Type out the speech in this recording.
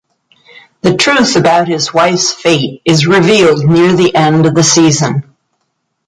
The truth about his wife's fate is revealed near the end of the season.